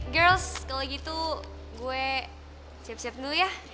girls kalau gitu gue siap siap dulu ya